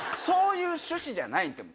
そういう趣旨じゃない。